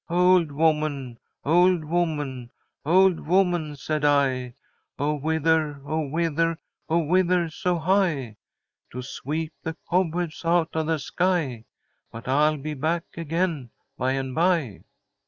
"'Old woman! Old woman! Old woman, said I, O whither, O whither, O whither so high? To sweep the cobwebs out of the sky, But I'll be back again, by and by.'"